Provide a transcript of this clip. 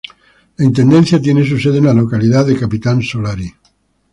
La intendencia tiene su sede en la localidad de Capitán Solari.